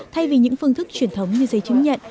thay vì những phương thức truyền thống như giấy chứng nhận